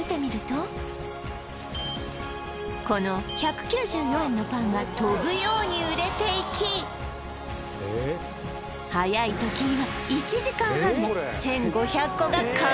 この１９４円のパンが飛ぶように売れていき早い時には１５００個？